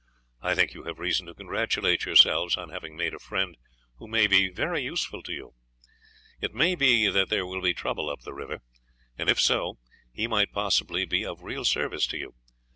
I think you have reason to congratulate yourselves on having made a friend who may be very useful to you. It may be that there will be trouble up the river; and if so, he might possibly be of real service to you.